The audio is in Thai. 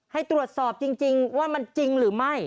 ให้ตรวจสอบจริงว่ามันจริงหรือไม่